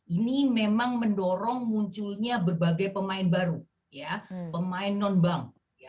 ini memang mendorong munculnya berbagai pemain baru pemain non bank